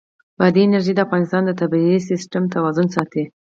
بادي انرژي د افغانستان د طبعي سیسټم توازن ساتي.